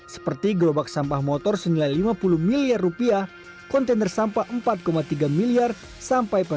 seperti gerobak sampah motor senilai lima puluh miliar rupiah kontainer sampah empat tiga miliar rupiah